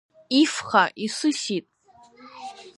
Ифха исысит…